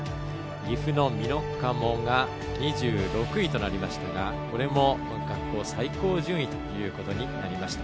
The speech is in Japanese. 岐阜の美濃加茂が２６位となりましたがこれも、学校最高順位ということになりました。